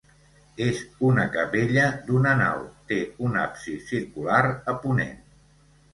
És una capella d'una nau, té un absis circular a ponent.